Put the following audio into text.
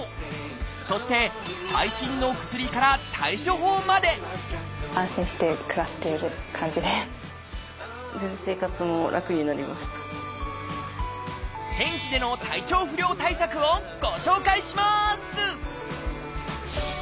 そして最新の薬から対処法まで天気での体調不良対策をご紹介します！